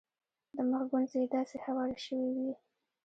د مخ ګونځې یې داسې هوارې شوې وې.